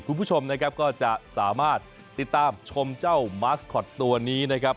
คุณผู้ชมนะครับก็จะสามารถติดตามชมเจ้ามาสคอตตัวนี้นะครับ